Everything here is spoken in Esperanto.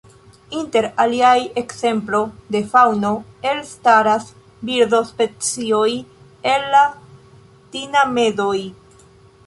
Inter aliaj ekzemplo de faŭno elstaras birdospecioj el la tinamedoj.